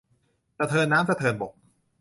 สะเทินน้ำสะเทินบก